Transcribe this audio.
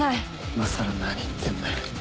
今更何言ってんだよ。